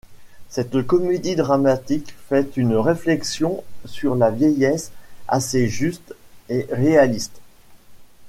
Cette comédie dramatique fait une réflexion sur la vieillesse assez juste et réaliste.